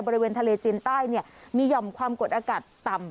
บริเวณทะเลจีนใต้มีหย่อมความกดอากาศต่ำ